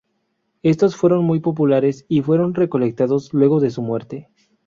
Estos fueron muy populares y fueron recolectados luego de su muerte.